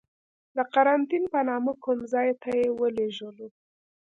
د قرنتین په نامه کوم ځای ته یې ولیږلو.